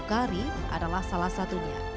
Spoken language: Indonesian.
bukari adalah salah satunya